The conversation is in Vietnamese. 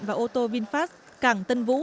và ô tô vinfast cảng tân vũ